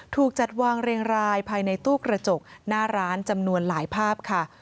ถูกจัดวางเรียงรายภายในตู้กระจกหน้าร้านจำนวนหลายภาพค่ะ